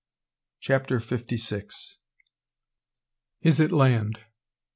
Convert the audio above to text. CHAPTER FIFTY SIX. IS IT LAND?